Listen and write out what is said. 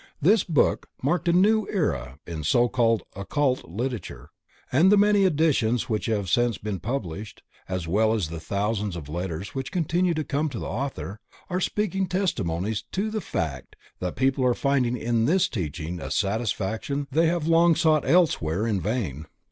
This book marked a new era in so called "occult" literature, and the many editions which have since been published, as well as the thousands of letters which continue to come to the author, are speaking testimonies to the fact that people are finding in this teaching a satisfaction they have long sought elsewhere in vain.